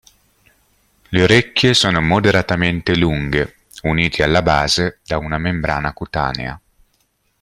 Le orecchie sono moderatamente lunghe, unite alla base da una membrana cutanea.